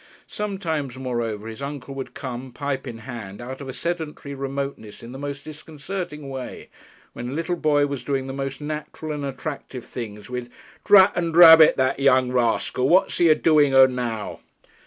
Sometimes, moreover, his uncle would come, pipe in hand, out of a sedentary remoteness in the most disconcerting way, when a little boy was doing the most natural and attractive things, with "Drat and drabbit that young rascal! What's he a doing of now?"